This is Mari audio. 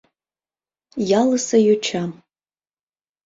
Ялысе йоча.